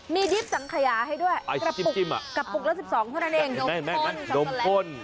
มีดิปสังขยาให้ด้วยกระปุกกระปุกละสิบสองเท่านั้นเองแม่งดมพ่น